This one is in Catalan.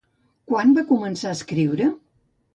Quan va començar a escriure?